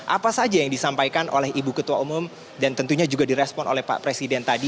apa saja yang disampaikan oleh ibu ketua umum dan tentunya juga direspon oleh pak presiden tadi